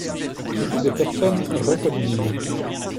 des personnes reconnues.